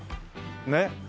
ねっ。